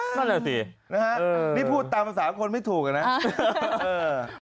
นั่นแหละสิเออนี่พูดตามภาษาคนไม่ถูกนะเออ